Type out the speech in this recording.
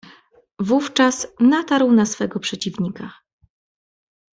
"Wówczas natarł na swego przeciwnika."